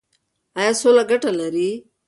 ایا سوله ګټه لري؟